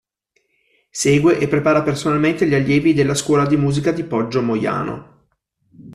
Segue e prepara personalmente gli allievi della scuola di musica di Poggio Moiano.